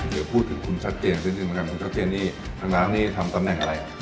ก็พูดถึงคุณชัฌเจียรภิกษ์ทางร้านที่ทำตำแหน่งอะไร